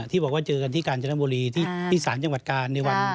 ที่บอกว่าเจอกันที่กาญจนบุรีที่ศาลจังหวัดกาลในวัน